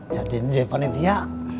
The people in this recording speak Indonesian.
jadi ini dia panitia